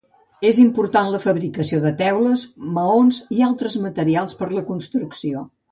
És important la fabricació de teules, maons i altres materials per a la construcció.